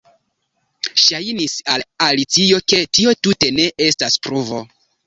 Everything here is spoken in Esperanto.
Ŝajnis al Alicio ke tio tute ne estas pruvo.